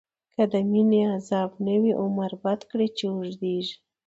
که د مینی عذاب نه وی، عمر بد کړی چی اوږدیږی